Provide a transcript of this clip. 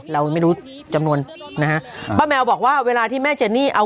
เราไม่รู้จำนวนนะฮะป้าแมวบอกว่าเวลาที่แม่เจนี่เอา